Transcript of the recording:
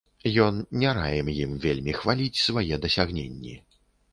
Ён не раім ім вельмі хваліць свае дасягненні.